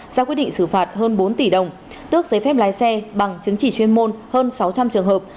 ra quyết định xử phạt hơn bốn tỷ đồng tước giấy phép lái xe bằng chứng chỉ chuyên môn hơn sáu trăm linh trường hợp